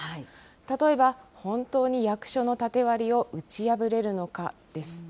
例えば、本当に役所の縦割りを打ち破れるのかです。